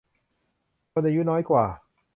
คนอายุน้อยกว่า